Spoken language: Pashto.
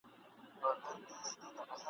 ستا به مي نوم هېر وي زه به بیا درته راغلی یم !.